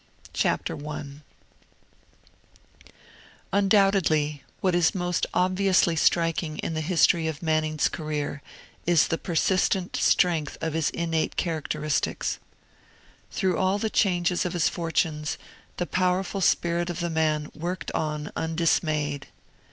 I UNDOUBTEDLY, what is most obviously striking in the history of Manning's career is the persistent strength of his innate characteristics. Through all the changes of his fortunes the powerful spirit of the man worked on undismayed.